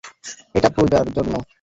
এটা পূজার জন্য।